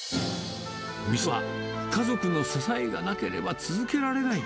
店は、家族の支えがなければ続けられない。